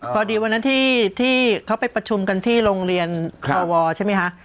วันนั้นที่เขาไปประชุมกันที่โรงเรียนพวใช่ไหมคะ